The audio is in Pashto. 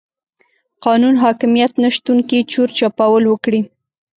قانون حاکميت نشتون کې چور چپاول وکړي.